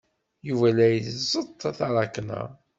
Yuba la iẓeṭṭ taṛakna.